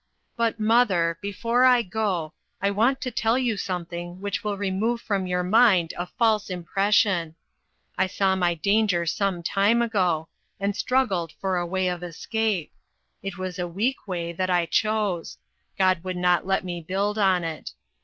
But, mother, before I go, I want to tell you something which will remove from your mind a false impression. I saw my danger some time ago, and struggled for a way of escape. It was a weak way that I chose ; God would not let me build on it.